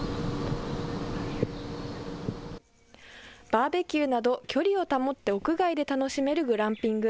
バーベキューなど距離を保って屋外で楽しめるグランピング。